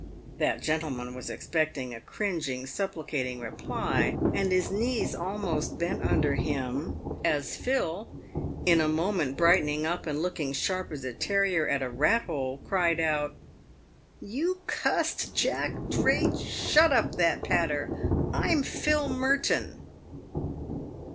That gentleman was expecting a cringing, supplicating reply, and his knees almost bent under him as Phil, in a moment brightening up and looking sharp as a terrier at a rat hole, cried out, " You cussed Jack Drake, shut up that patter ; I'm Phil Merton!"